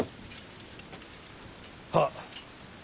はっ。